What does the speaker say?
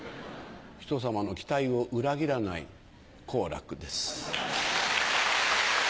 人様の期待を裏切らない好楽です。